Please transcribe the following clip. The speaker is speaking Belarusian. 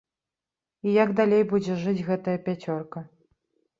І як далей будзе жыць гэтая пяцёрка?